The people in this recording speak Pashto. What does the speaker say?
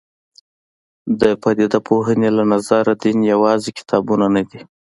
د پدیده پوهنې له نظره دین یوازې کتابونه نه دي.